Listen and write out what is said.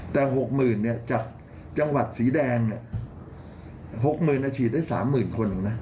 แต่๖๐๐๐๐เนี่ยจากจังหวัดสีแดงนะ๖๐๐๐๐เนี่ยฉีดได้๓๐๐๐๐คนนึงนะ